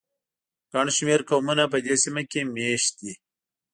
ګڼ شمېر قومونه په دې سیمه کې مېشت دي.